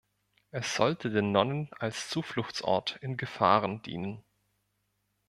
Es sollte den Nonnen als Zufluchtsort in Gefahren dienen.